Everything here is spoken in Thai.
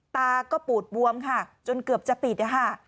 ตาก็ปูดบวมค่ะจนเกือบจะปิดนะคะ